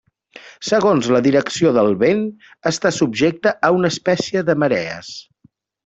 Segons la direcció del vent, està subjecte a una espècie de marees.